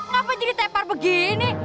kenapa jadi tepar begini